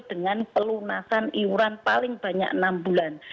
dengan pelunasan iuran paling banyak enam bulan